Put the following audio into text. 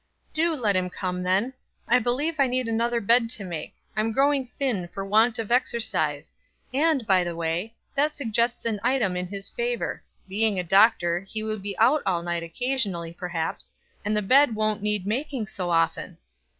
"Do let him come, then. I believe I need another bed to make; I'm growing thin for want of exercise, and, by the way, that suggests an item in his favor; being a doctor, he will be out all night occasionally, perhaps, and the bed won't need making so often.